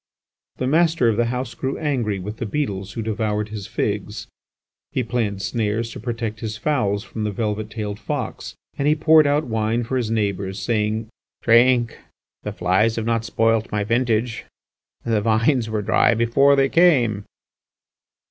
The master of the house grew angry with the beetles who devoured his figs; he planned snares to protect his fowls from the velvet tailed fox, and he poured out wine for his neighbours saying: "Drink! The flies have not spoilt my vintage; the vines were dry before they came."